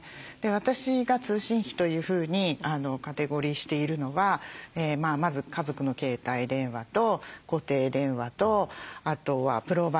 私が通信費というふうにカテゴリーしているのはまず家族の携帯電話と固定電話とあとはプロバイダー料金と